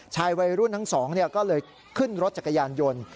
วัยรุ่นทั้งสองก็เลยขึ้นรถจักรยานยนต์